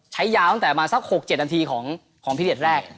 ใช้ยาวตั้งแต่มาสัก๖๗นาทีของพี่เลียดแรก